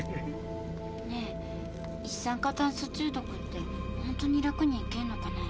ねえ一酸化炭素中毒ってホントに楽に逝けるのかな？